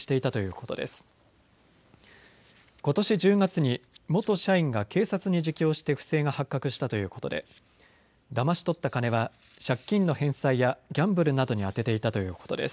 ことし１０月に元社員が警察に自供して不正が発覚したということでだまし取った金は借金の返済やギャンブルなどに充てていたということです。